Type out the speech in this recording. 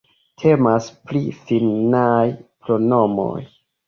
Temas pri finnaj pronomoj.